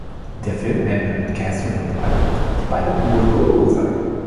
Der Film endet mit Catherine und Albert, die beide „Wahoo!“ sagen.